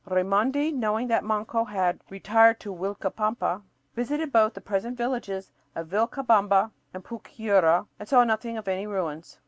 Raimondi, knowing that Manco had "retired to Uilcapampa," visited both the present villages of Vilcabamba and Pucyura and saw nothing of any ruins.